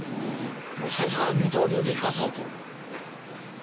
最初から二刀流でいかそうと？